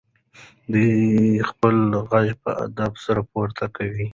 دی خپل غږ په ادب سره پورته کوي.